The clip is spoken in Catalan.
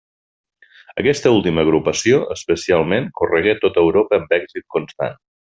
Aquesta última agrupació, especialment, corregué tota Europa amb èxit constant.